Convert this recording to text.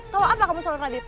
kalo apa kamu sok radit